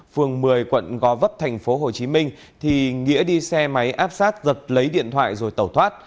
phường một mươi quận gò vấp tp hcm thì nghĩa đi xe máy áp sát giật lấy điện thoại rồi tẩu thoát